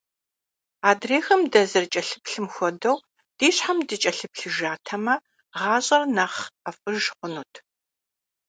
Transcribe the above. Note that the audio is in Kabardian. Адрейхэм дазэрыкӀэлъыплъым хуэдэу ди щхьэм дыкӀэлъыплъыжатэмэ, гъащӀэр нэхъ ӀэфӀыж хъунут.